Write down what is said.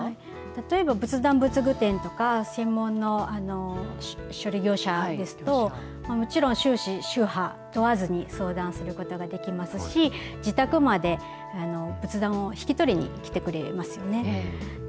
例えば仏壇・仏具店とか、専門の処理業者ですと、もちろん宗旨、宗派問わずに、相談することができますし、自宅まで仏壇を引き取りに来てくれますよね。